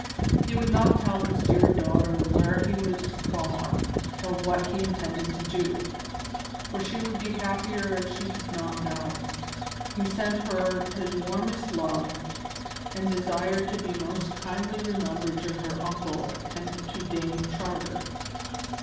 He would not tell his dear daughter where he was gone or what he intended to do, for she would be happier if she did not know. He sent her his warmest love, and desired to be most kindly remembered to her uncle and to Dame Charter.